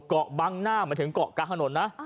เกาะบังหน้าหมายถึงเกาะกลางถนนนะ